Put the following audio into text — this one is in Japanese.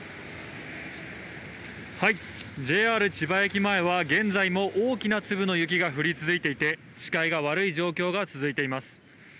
千葉駅前は、現在も大きな粒の雪が降り続いていて、視界が悪い状況が続いています。